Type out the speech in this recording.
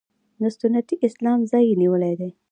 د سنتي اسلام ځای یې نیولی دی.